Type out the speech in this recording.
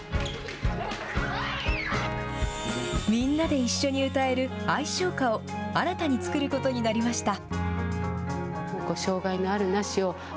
みんなで一緒に歌える愛唱歌を、新たに作ることになりました。